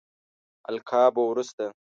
القابو وروسته.